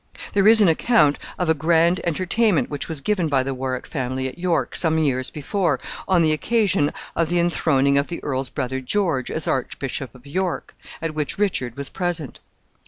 ] There is an account of a grand entertainment which was given by the Warwick family at York, some years before, on the occasion of the enthroning of the earl's brother George as Archbishop of York, at which Richard was present.